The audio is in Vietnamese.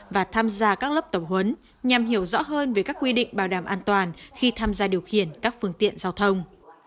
và tham gia các lớp tập huấn nhằm hiểu rõ hơn về các quy định bảo đảm an toàn khi tham gia điều khiển các phương tiện giao thông